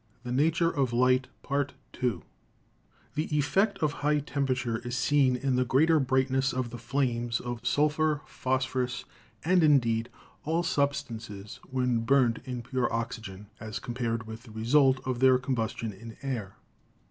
THE NATURE OF LIGHT 107 The effect of high temperature is seen in the greater brightness of the flames of sulphur, phosphorus, and, in deed, all substances when burnt in pure oxygen, as com pared with the result of their combustion in air.